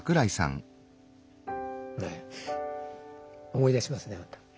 思い出しますねほんと。